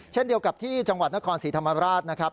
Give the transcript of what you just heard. เช่นเดียวกับที่จังหวัดนครศรีธรรมราชนะครับ